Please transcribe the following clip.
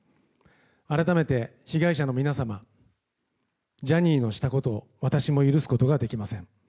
改めて、被害者の皆様ジャニーのしたことを私も許すことができません。